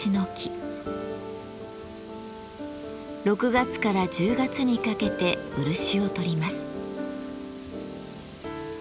６月から１０月にかけて漆をとります。